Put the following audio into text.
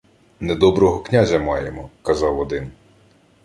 — Недоброго князя маємо, — казав один.